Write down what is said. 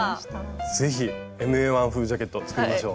是非ＭＡ−１風ジャケット作りましょう。